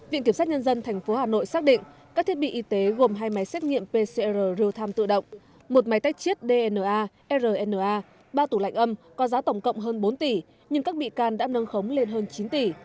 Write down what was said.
viện kiểm sát nhân dân tp hà nội xác định các thiết bị y tế gồm hai máy xét nghiệm pcr rưu tham tự động một máy tách chiết dna rna ba tủ lạnh âm có giá tổng cộng hơn bốn tỷ nhưng các bị can đã nâng khống lên hơn chín tỷ